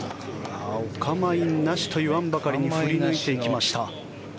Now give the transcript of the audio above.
お構いなしといわんばかりに振り抜いていきました。